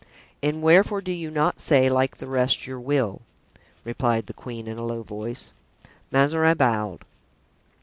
"And wherefore do you not say, like the rest, your will?" replied the queen, in a low voice. Mazarin bowed.